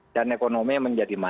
dan ekonomi menjadi maksimal